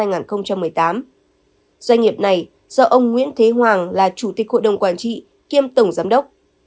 doanh nghiệp này do ông nguyễn thế hoàng là chủ tịch hội đồng quản trị kiêm tổng giám đốc